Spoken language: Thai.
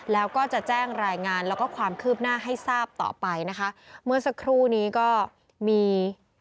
แล้วก็จะแจ้งรายงานแล้วก็ความคืบหน้าให้ทราบต่อไปนะคะเมื่อสักครู่นี้ก็มี